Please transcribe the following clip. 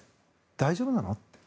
大丈夫なのって。